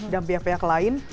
dan pihak pihak lain